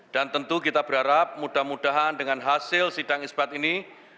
dan tentu kita berharap mudah mudahan dengan hasil sidang isbat ini